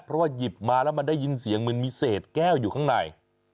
เพราะว่าหยิบมาแล้วมันได้ยินเสียงเหมือนมีเศษแก้วอยู่ข้างใน